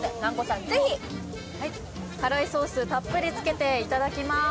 辛いソースたっぷりつけていただきます